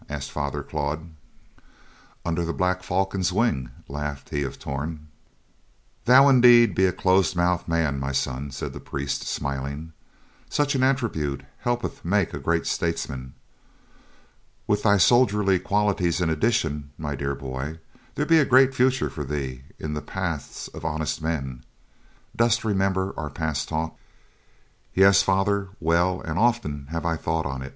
asked Father Claude. "Under the black falcon's wing," laughed he of Torn. "Thou be indeed a close mouthed man, my son," said the priest, smiling. "Such an attribute helpeth make a great statesman. With thy soldierly qualities in addition, my dear boy, there be a great future for thee in the paths of honest men. Dost remember our past talk?" "Yes, father, well; and often have I thought on't.